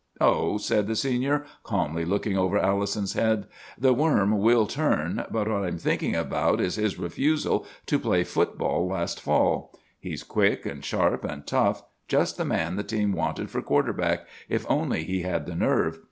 "'Oh,' said the Senior, calmly looking over Allison's head, 'the worm will turn! But what I'm thinking about is his refusal to play foot ball last fall. He's quick, and sharp, and tough; just the man the team wanted for quarter back, if only he had the nerve!